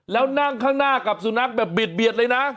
แล้วนั่งข้างหน้ากับสุนัขแบบเบียดเลยนะ